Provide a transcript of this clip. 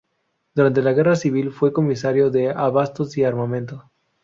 Durante la Guerra Civil fue Comisario de Abastos y Armamento.